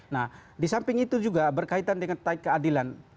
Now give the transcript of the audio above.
nah disamping itu juga berkaitan dengan taik keadilan